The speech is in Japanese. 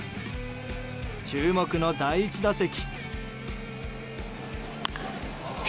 注目の第１打席。